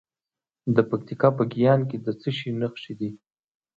د پکتیکا په ګیان کې د څه شي نښې دي؟